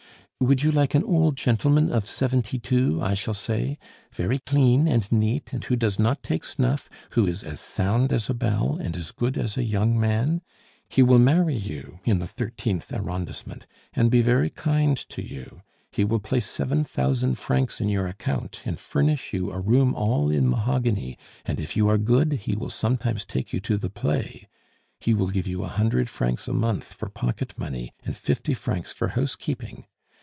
"'Would you like an old gentleman of seventy two?' I shall say. 'Very clean and neat, and who does not take snuff, who is as sound as a bell, and as good as a young man? He will marry you (in the Thirteenth Arrondissement) and be very kind to you; he will place seven thousand francs in your account, and furnish you a room all in mahogany, and if you are good, he will sometimes take you to the play. He will give you a hundred francs a month for pocket money, and fifty francs for housekeeping.